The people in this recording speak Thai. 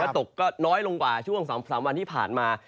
ตกก็น้อยลงกว่าช่วง๒๓วันที่ผ่านมา